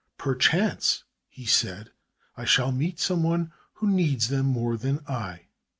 "Perchance," he said, "I shall meet some one who needs them more than I."